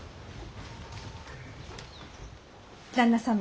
旦那様